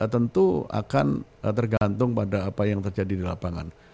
tentu akan tergantung pada apa yang terjadi di lapangan